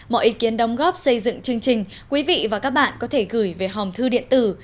mọi ý kiến đóng góp xây dựng chương trình quý vị và các bạn có thể gửi về hòm thư điện tử